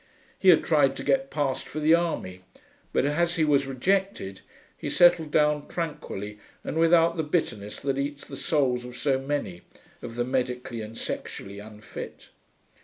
He had tried to get passed for the army, but, as he was rejected, he settled down tranquilly and without the bitterness that eats the souls of so many of the medically and sexually unfit.